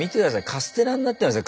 カステラになってます